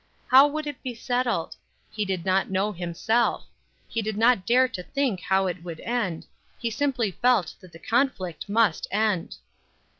How would it be settled? He did not know himself. He did not dare to think how it would end; he simply felt that the conflict must end.